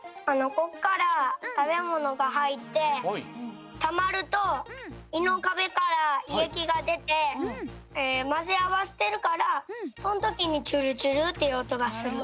こっからたべものがはいってたまるといのかべからいえきがでてまぜあわしてるからそのときにチュルチュルっていうおとがする。